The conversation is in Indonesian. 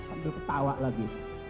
ambil ketawa lagi